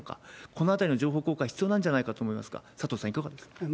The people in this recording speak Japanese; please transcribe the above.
このあたりの情報公開必要なんじゃないかと思いますが、佐藤さん、いかがですか？